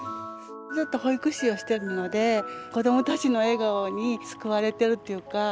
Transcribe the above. ずっと保育士をしているので子どもたちの笑顔に救われているっていうか。